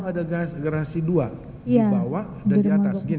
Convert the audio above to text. oh ada garasi dua di bawah dan di atas gini